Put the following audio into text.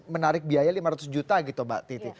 menarik biaya lima ratus juta gitu mbak titi